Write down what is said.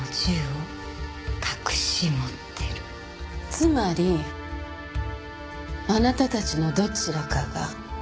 つまりあなたたちのどちらかが。